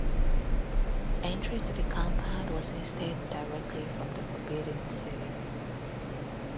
Entry to the compound was instead directly from the Forbidden City.